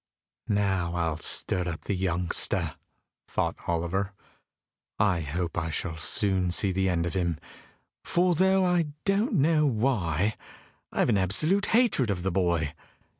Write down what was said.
"Now I'll stir up the youngster," thought Oliver. "I hope I shall soon see the end of him, for, though I don't know why, I have an absolute hatred of the boy.